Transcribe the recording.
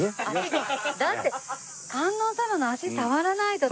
だって観音様の足触らないと徳さん。